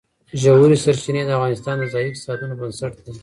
ژورې سرچینې د افغانستان د ځایي اقتصادونو بنسټ دی.